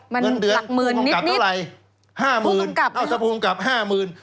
มันหลักหมื่นนิดนิดห้ามือนผู้กำกับห้ามืน